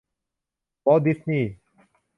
วอลต์ ดิสนีย์